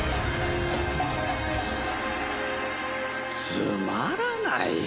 つまらないよ